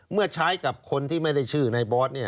เมื่อใช้กับคนที่ไม่ได้ชื่อในบอส